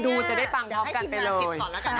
คุณจะได้ฟังท็อปกันไปเลย